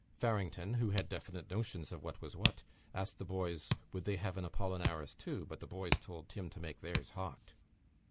Farrington, who had definite notions of what was what, asked the boys would they have an Apollinaris too; but the boys told Tim to make theirs hot.